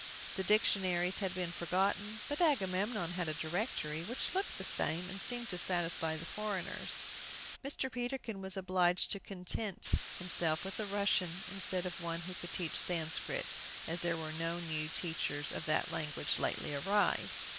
The dictionaries had been forgotten, but Agamemnon had a directory, which looked the same, and seemed to satisfy the foreigners. Mr. Peterkin was obliged to content himself with the Russian instead of one who could teach Sanscrit, as there was no new teacher of that language lately arrived.